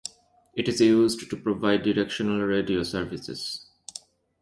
It is used to provide directional radio services.